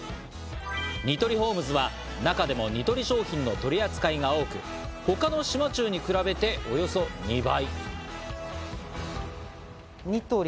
ニトリホームズは中でもニトリ商品の取り扱いが多く、ほかの島忠に比べて、およそ２倍。